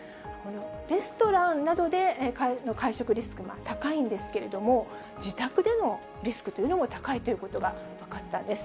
レストランなどで会食リスクが高いんですけれども、自宅でのリスクというのも高いということが分かったんです。